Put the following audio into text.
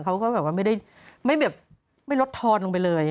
เขาก็แบบว่าไม่ได้แบบไม่ลดทอนลงไปเลย